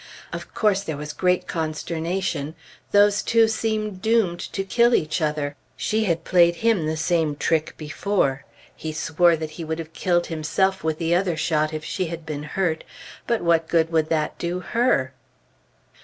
Of course, there was great consternation. Those two seem doomed to kill each other. She had played him the same trick before. He swore that he would have killed himself with the other shot if she had been hurt; but what good would that do her?